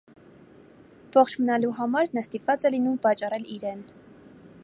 Ողջ մնալու համար նա ստիպված է լինում վաճառել իրեն։